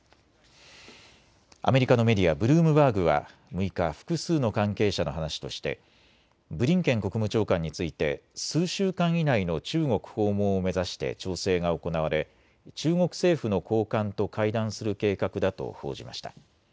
アメリカのメディア、ブルームバーグは６日、複数の関係者の話としてブリンケン国務長官について数週間以内の中国訪問を目指して調整が行われ中国政府の高官と会談する計画だと報じました。